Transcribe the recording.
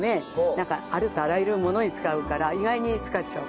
なんかありとあらゆるものに使うから意外に使っちゃう。